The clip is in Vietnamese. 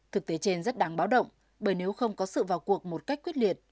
thực tế trên rất đáng báo động bởi nếu không có sự vào cuộc một cách quyết liệt